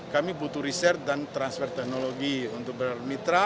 kami butuh riset dan transfer teknologi untuk bermitra